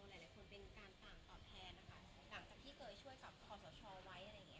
ต่างจากที่เคยช่วยกับความสะชอบไว้อะไรอย่างนี้ค่ะ